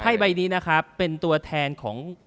ใบนี้นะครับเป็นตัวแทนของ